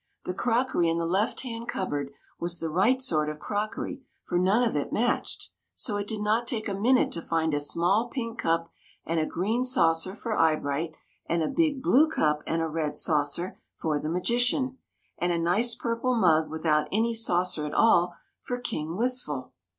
The crockery in the left hand cupboard was the right sort of crockery, for none of it matched ; so it did not take a minute to find a small pink cup and a green saucer for Eye bright, and a big blue cup and a red saucer for the magician, and a nice purple mug without any saucer at all for King Wistful.